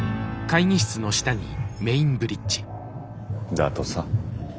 だとさ。